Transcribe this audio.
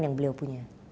yang beliau punya